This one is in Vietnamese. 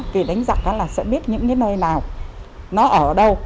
vì đánh giặc là sẽ biết những nơi nào nó ở đâu